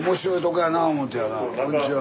こんにちは。